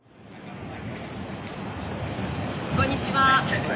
こんにちは。